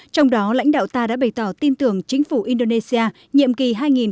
trong đó lãnh đạo ta đã bày tỏ tin tưởng chính phủ indonesia nhiệm kỳ hai nghìn một mươi tám hai nghìn hai mươi năm